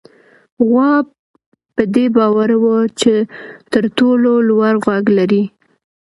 غوا په دې باور وه چې تر ټولو لوړ غږ لري.